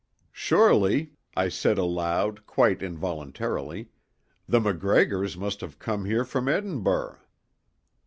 "Surely," I said aloud, quite involuntarily, "the MacGregors must have come here from Edinburgh."